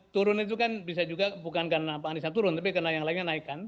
turun itu kan bisa juga bukan karena pak anissa turun tapi karena yang lainnya naikkan